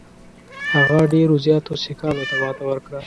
هغه ډېرو زیاتو سیکهانو ته ماته ورکړه.